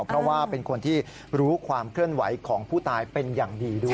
เพราะว่าเป็นคนที่รู้ความเคลื่อนไหวของผู้ตายเป็นอย่างดีด้วย